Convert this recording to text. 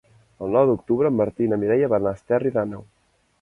El nou d'octubre en Martí i na Mireia van a Esterri d'Àneu.